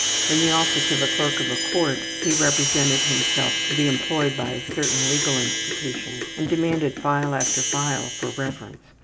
In the office of a clerk of a court he represented himself to be employed by a certain legal institution and demanded file after file for reference.